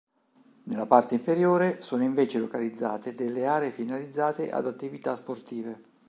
Nella parte inferiore, sono invece localizzate delle aree finalizzate ad attività sportive.